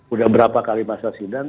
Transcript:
udah berapa kali masa sidang